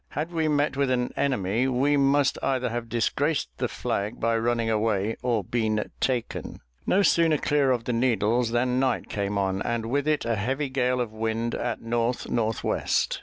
Had we met with an enemy, we must either have disgraced the flag by running away, or been taken. No sooner clear of the Needles than night came on, and with it a heavy gale of wind at north north west.